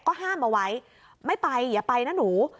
ก็ห้ามเอาไว้ไม่ไปอย่าไปนะหนู